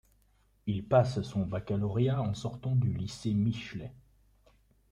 Il passe son baccalauréat en sortant du lycée Michelet.